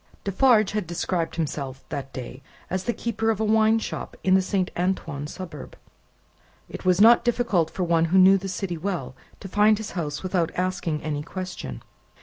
Defarge had described himself, that day, as the keeper of a wine shop in the Saint Antoine suburb. It was not difficult for one who knew the city well, to find his house without asking any question.